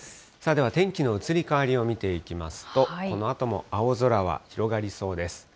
では天気の移り変わりを見ていきますと、このあとも青空は広がりそうです。